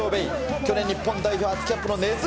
去年、日本代表初キャップの根塚。